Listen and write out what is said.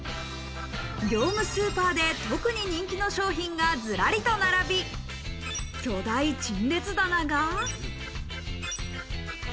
業務スーパーで特に人気の商品がずらりと並び、巨大陳列棚が。